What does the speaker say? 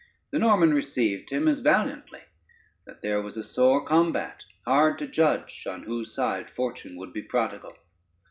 The Norman received him as valiantly, that there was a sore combat, hard to judge on whose side fortune would be prodigal.